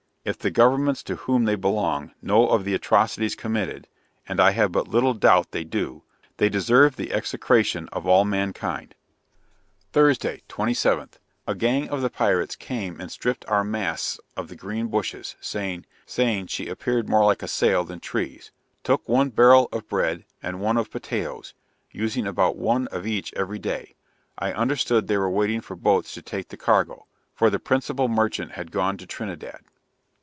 If the governments to whom they belong know of the atrocities committed (and I have but little doubt they do) they deserve the execration of all mankind. Thursday, 27th. A gang of the pirates came and stripped our masts of the green bushes, saying, "she appeared more like a sail than trees" took one barrel of bread and one of potatoes, using about one of each every day. I understood they were waiting for boats to take the cargo; for the principal merchant had gone to Trinidad.